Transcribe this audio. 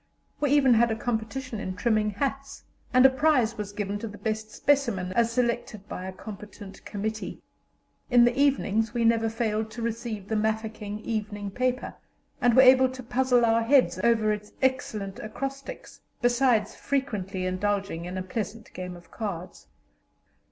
We even had a competition in trimming hats, and a prize was given to the best specimen as selected by a competent committee. In the evenings we never failed to receive the Mafeking evening paper, and were able to puzzle our heads over its excellent acrostics, besides frequently indulging in a pleasant game of cards.